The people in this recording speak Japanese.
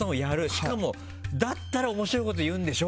しかも、だったら面白いこと言うんでしょ？